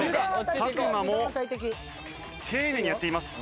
作間も丁寧にやっています。